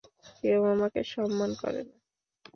কেউ আমাকে সম্মান করে না।